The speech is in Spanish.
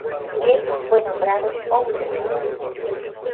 James fue nombrado hombre de honor.